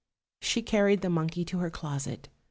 She carried the monkey to her closet.